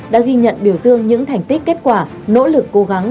đã ghi nhận biểu dương những thành tích kết quả nỗ lực cố gắng